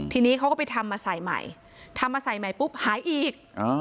ทีนี้เขาก็ไปทำมาใส่ใหม่ทำมาใส่ใหม่ปุ๊บหายอีก